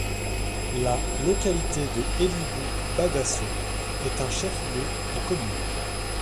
La localité de Ellibou-Badasso est un chef-lieu de commune.